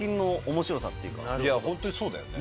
いやホントにそうだよね。